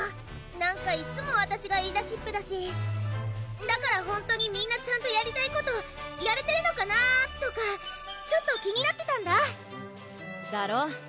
なんかいっつもわたしが言いだしっぺだしだからほんとにみんなちゃんとやりたいことやれてるのかなーとかちょっと気になってたんだだろう？